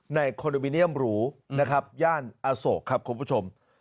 คอนโดมิเนียมหรูนะครับย่านอโศกครับคุณผู้ชม